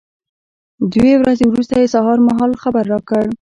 دوې ورځې وروسته یې سهار مهال خبر را کړ.